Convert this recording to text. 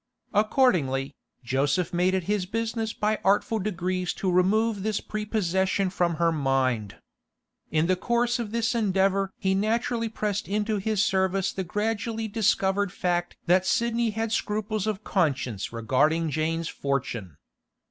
Accordingly, Joseph made it his business by artful degrees to remove this prepossession from her mind. In the course of this endeavour he naturally pressed into his service the gradually discovered fact that Sidney had scruples of conscience regarding Jane's fortune.